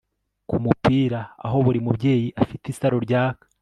Ku mupira aho buri mubyeyi afite isaro ryaka